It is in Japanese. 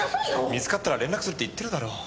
見つかったら連絡するって言ってるだろう。